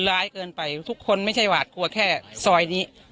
ร้ายเกินไปทุกคนไม่ใช่หวาดกลัวแค่ซอยนี้